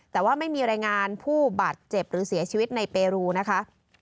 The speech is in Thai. แต่ว่าไม่มีรายงานผู้บาดเจ็บหรือเสียชีวิตในเปรูนะคะ